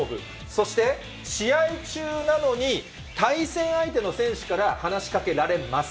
そして、試合中なのに対戦相手の選手から話しかけられます。